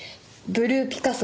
ブルーピカソ？